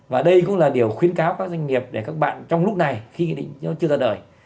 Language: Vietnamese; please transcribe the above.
và đây cũng là điều khuyến cáo các doanh nghiệp để các bạn trong lúc này khi nó chưa ra đời